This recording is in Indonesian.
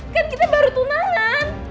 kan kita baru tunangan